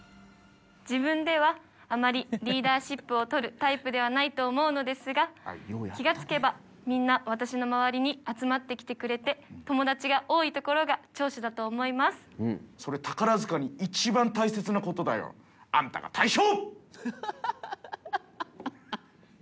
自分ではあまりリーダーシップを取るタイプではないと思うのですが、気が付けば、みんな私の周りに集まってきてくれて、友達が多いところが長所だそれ、宝塚に一番大切なことだよ。あんたが大将。